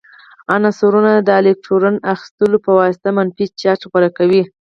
عنصرونه د الکترون اخیستلو په واسطه منفي چارج غوره کوي.